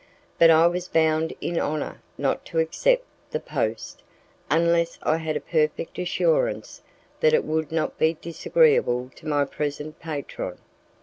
But I was bound in honour not to accept the post, unless I had a perfect assurance that it would not be disagreeable to my present patron.